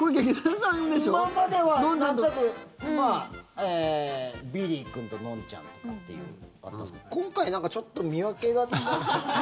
今までは、多分びりーくんと、のんちゃんだっていうのがあったんですけど今回、ちょっと見分けがつかない。